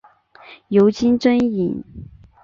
尤金真蚓。